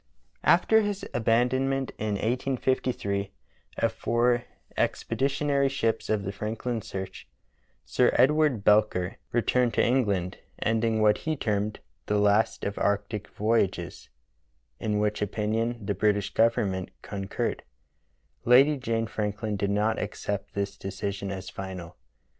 After his abandonment in 1853 of four expeditionary ships of the Franklin search, Sir Edward Belcher re 171 172 True Tales of Arctic Heroism turned to England, ending what he termed "The Last of Arctic Voyages, " in which opinion the British Government concurred. Lady Jane Franklin did not accept this decision as final.